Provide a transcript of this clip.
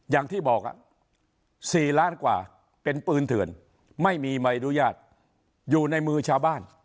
อย่างที่บอก๔ล้านกว่าเป็นปืนเถื่อนไม่มีใบอนุญาตอยู่ในมือชาวบ้าน